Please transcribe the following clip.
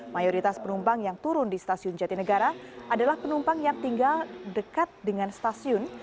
mayoritas penumpang yang turun di stasiun jatinegara adalah penumpang yang tinggal dekat dengan stasiun